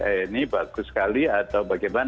eh ini bagus sekali atau bagaimana